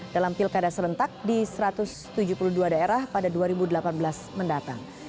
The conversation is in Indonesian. dalam pilkada serentak di satu ratus tujuh puluh dua daerah pada dua ribu delapan belas mendatang